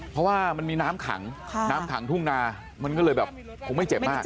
เพราะว่ามันมีน้ำขังน้ำขังทุ่งนามันก็เลยแบบคงไม่เจ็บมาก